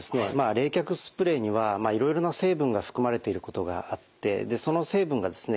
冷却スプレーにはいろいろな成分が含まれていることがあってその成分がですね